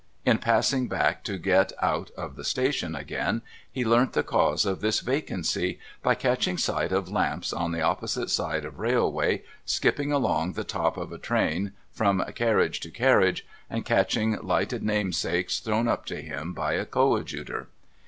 In passing back to get out of the station again, he learnt the cause of this vacancy, by catching sight of Lamps on the opposite line of railway, skipping along the top of a train, from carriage to carriage, and catching lighted namesakes thrown up to him by a coadjutor.